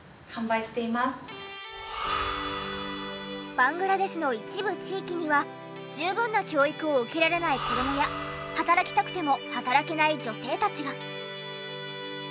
バングラデシュの一部地域には十分な教育を受けられない子どもや働きたくても働けない女性たちが。